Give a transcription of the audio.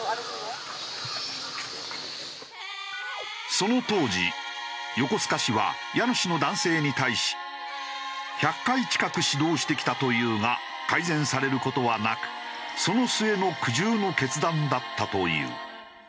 その当時横須賀市は家主の男性に対し１００回近く指導してきたというが改善される事はなくその末の苦渋の決断だったという。